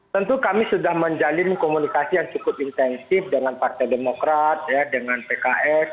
tentu kami sudah menjalin komunikasi yang cukup intensif dengan partai demokrat dengan pks